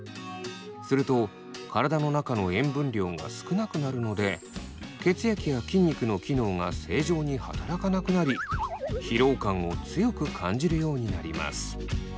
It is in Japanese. すると体の中の塩分量が少なくなるので血液や筋肉の機能が正常に働かなくなり疲労感を強く感じるようになります。